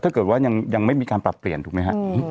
ถ้าเกิดว่ายังไม่มีการปรับเปลี่ยนถูกไหมฮะ